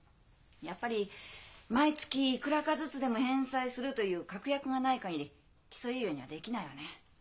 やっぱり毎月いくらかずつでも返済するという確約がない限り起訴猶予にはできないわね。